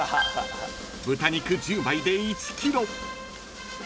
［豚肉１０枚で１ｋｇ］